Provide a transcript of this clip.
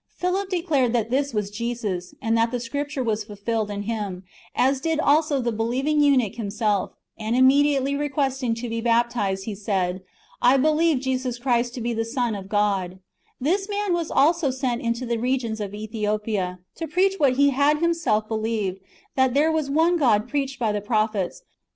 ^ [Philip declared] that this was Jesus, and that the Scripture was fulfilled in Him ; as did also the believing eunuch himself : and, immediately re questing to be baptized, he said, " I believe Jesus Christ to be the Son of God." ^ This man was also sent into the regions of Ethiopia, to preach what he had himself believed, that there was one God preached by the prophets, but that ^ Quemadmodum capiebat; perhaps, "just as it presented itself to him." 2 Acts viii.